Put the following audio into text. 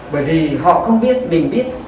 bởi vì họ không biết mình biết